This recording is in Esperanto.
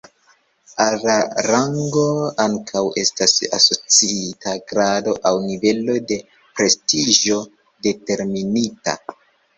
Al la rango ankaŭ estas asociita grado aŭ nivelo de prestiĝo determinita.